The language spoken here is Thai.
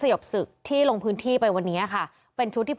และก็คือว่าถึงแม้วันนี้จะพบรอยเท้าเสียแป้งจริงไหม